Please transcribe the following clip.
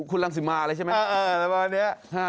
คุณรังสิมาอะไรใช่ไหมเออเออเรียกว่าวันนี้